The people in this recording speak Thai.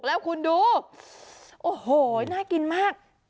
แล้วคุณดูโอ้โหน่ากินมาก